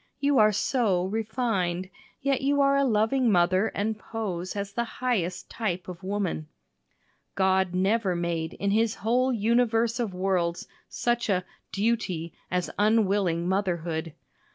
You are so "refined," yet you are a loving mother and pose as the highest type of woman. God never made in his whole universe of worlds such a "duty" as unwilling motherhood.